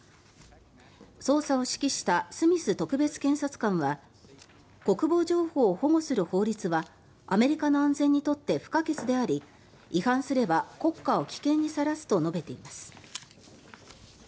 捜査を指揮したスミス特別検察官は国防情報を保護する法律はアメリカの安全にとって不可欠であり違反すれば国家を危険にさらすと述べています。